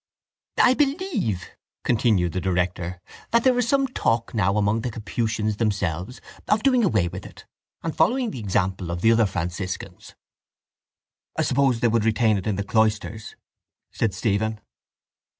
—I believe, continued the director, that there is some talk now among the Capuchins themselves of doing away with it and following the example of the other Franciscans. —I suppose they would retain it in the cloisters? said Stephen.